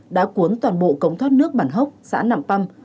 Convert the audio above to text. đã cuốn toàn bộ cống thoát nước bản hốc xã nạm păm